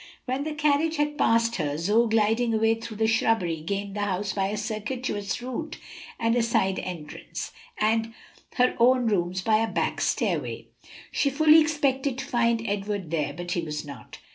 When the carriage had passed her, Zoe glided away through the shrubbery, gained the house by a circuitous route and a side entrance, and her own rooms by a back stairway. She fully expected to find Edward there, but he was not.